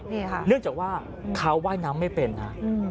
นี่ค่ะเนื่องจากว่าเขาว่ายน้ำไม่เป็นนะ